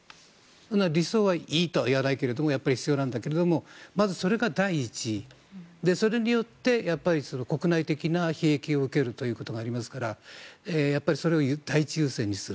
理想はいいとは言わないけれども必要なんだけれどもまず、それが第一でそれによって国内的な利益を受けるということがありますからそれを第一優先にする。